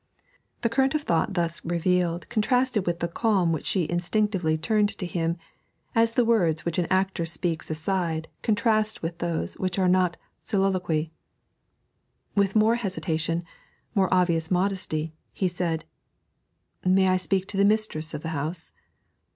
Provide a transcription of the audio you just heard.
The current of thought thus revealed contrasted with the calm which she instinctively turned to him, as the words which an actor speaks aside contrast with those which are not soliloquy. With more hesitation, more obvious modesty, he said 'May I speak to the mistress of the house?'